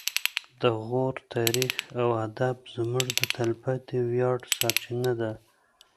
د غور تاریخ او ادب زموږ د تلپاتې ویاړ سرچینه ده